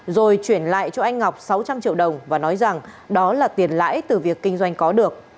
rồi chuyển lại cho anh ngọc sáu trăm linh triệu đồng và nói rằng đó là tiền lãi từ việc kinh doanh có được